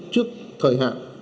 trước thời hạn